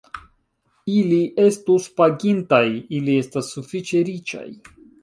Ili estus pagintaj; ili estas sufiĉe riĉaj.